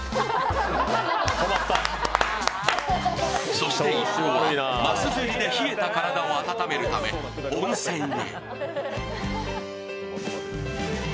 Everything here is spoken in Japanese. そして一行はます釣りで冷えた体を温めるため温泉へ。